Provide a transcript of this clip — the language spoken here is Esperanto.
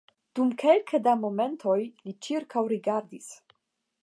Dum kelke da momentoj li ĉirkaŭrigardis.